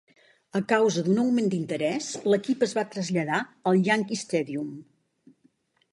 A causa d'un augment d'interès, l'equip es va traslladar al Yankee Stadium.